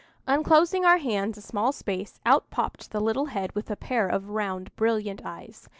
Unclosing our hands a small space, out popped the little head with a pair of round brilliant eyes.